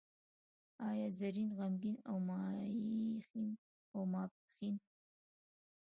یا زرین، غمګین او ماپښین.